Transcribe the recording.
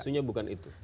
isunya bukan itu